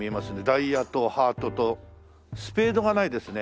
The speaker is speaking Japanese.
ダイヤとハートとスペードがないですね